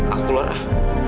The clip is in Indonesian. aku keluar ah